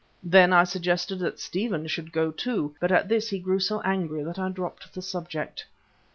Then I suggested that Stephen should go too, but at this he grew so angry that I dropped the subject.